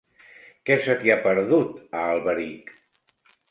Què se t'hi ha perdut, a Alberic?